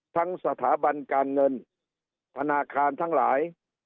ทั้งสถาบันการเงินธนาคารทั้งหลาย